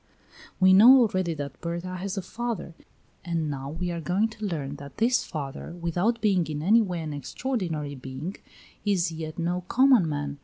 We know already that Berta has a father, and now we are going to learn that this father, without being in any way an extraordinary being, is yet no common man.